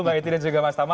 mbak inti dan juga mas tama